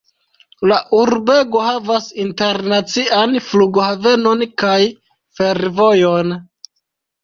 La urbego havas internacian flughavenon kaj fervojon.